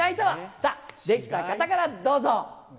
さあ、できた方からどうぞ。